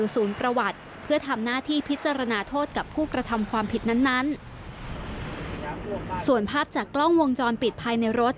ส่วนภาพจากกล้องวงจรปิดภายในรถ